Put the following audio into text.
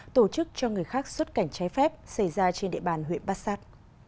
tổ chức cho người khác xuất cảnh trái phép xảy ra trên địa bàn huyện bát sát